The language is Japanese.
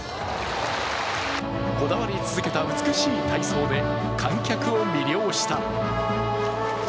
こだわり続けた美しい体操で観客を魅了した。